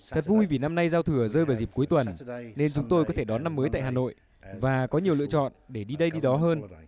thật vui vì năm nay giao thừa rơi vào dịp cuối tuần nên chúng tôi có thể đón năm mới tại hà nội và có nhiều lựa chọn để đi đây đi đó hơn